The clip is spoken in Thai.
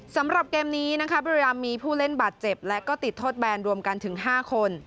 สำหรับเกมนี้พรีรามมีผู้เล่นบาดเจ็บและติดโทษแบรนด์รวมกันถึง๕คน